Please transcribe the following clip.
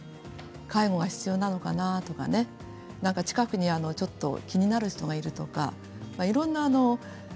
介護が必要なのかなとか近くにちょっと気になる人がいるとか、いろんな。